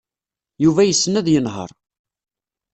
Yuba yessen ad yenheṛ.